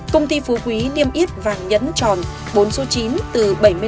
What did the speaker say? công ty phú quý niêm yết vàng nhẫn tròn bốn số chín từ bảy mươi năm một mươi